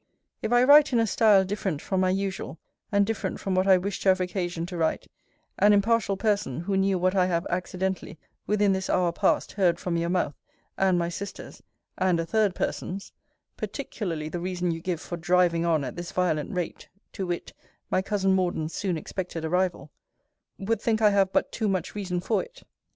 If I write in a style different from my usual, and different from what I wished to have occasion to write, an impartial person, who knew what I have accidentally, within this hour past, heard from your mouth, and my sister's, and a third person's, (particularly the reason you give for driving on at this violent rate, to wit, my cousin Morden's soon expected arrival,) would think I have but too much reason for it.